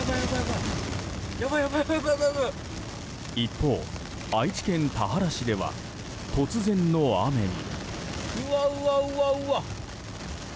一方、愛知県田原市では突然の雨に。